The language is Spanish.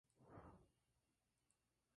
Son vellosas y de color verde.